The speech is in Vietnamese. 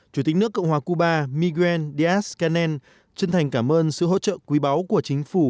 chủ tịch nước cộng hòa cuba miguel díaz canel chân thành cảm ơn sự hỗ trợ quý báu của chính phủ